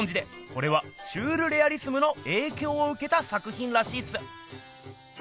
これはシュールレアリスムのえいきょうをうけた作品らしいっす。